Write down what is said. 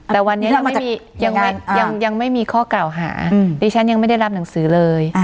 แต่วันนี้เรายังไม่มีข้อกล่าวหาดิฉันยังไม่ได้รับหนังสือเลย